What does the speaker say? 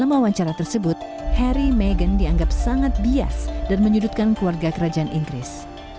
dalam wawancara tersebut harry meghan dianggap sangat bias dan menyudutkan keluarga kerajaan inggris